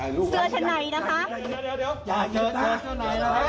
อย่าเจอเสื้อเช่าไหนนะครับ